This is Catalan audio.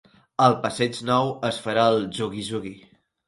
Al passeig Nou es farà el "jugui-jugui".